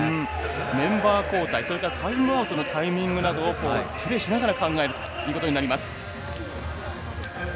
メンバー交代、それからタイムアウトのタイミングなどプレーしながら考えるということになります。